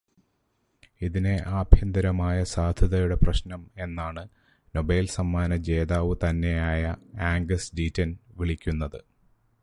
ഇതിനെ “ആഭ്യന്തരമായ സാധുത”യുടെ പ്രശ്നം എന്നാണ് നൊബേൽ സമ്മാന ജേതാവുതന്നെയായ ആംഗസ് ഡീറ്റൻ വിളിക്കുന്നത്.